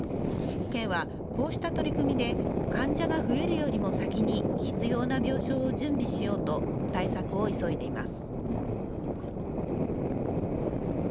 県は、こうした取り組みで患者が増えるよりも先に必要な病床を準備しようと対策を急いでいます。